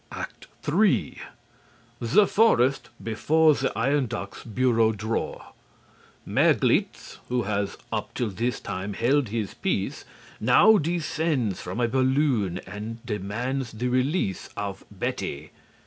ACT 3 The Forest Before the Iron Duck's Bureau Drawer. Merglitz, who has up till this time held his peace, now descends from a balloon and demands the release of Betty.